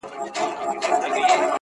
• دا غرونه غرونه پـه واوښـتـل.